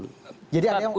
ustadz benar nggak